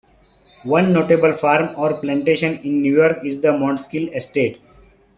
One notable farm or "plantation" in New York is the Montskill Estate.